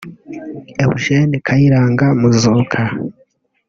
Eugène Kayiranga Muzuka